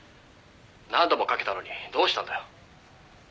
「何度もかけたのにどうしたんだよ？」